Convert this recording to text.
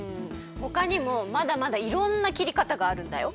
ほかにもまだまだいろんな切りかたがあるんだよ。